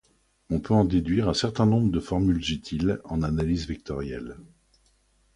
On peut en déduire un certain nombres de formules utiles en analyse vectorielle.